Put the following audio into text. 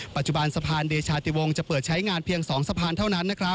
ปัจจุบันสะพานเดชาติวงศ์จะเปิดใช้งานเพียง๒สะพานเท่านั้น